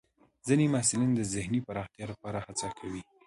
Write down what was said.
ځینې محصلین د ذهن پراختیا لپاره هڅه کوي.